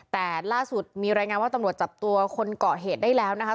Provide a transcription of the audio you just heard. แต่ล่าสุดมีรายงานว่าตำรวจจับตัวคนเกาะเหตุได้แล้วนะคะ